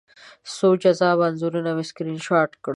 څو جذابه انځورونه مې سکرین شاټ کړل